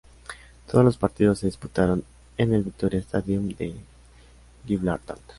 Todos los partidos se disputaron en el Victoria Stadium de Gibraltar.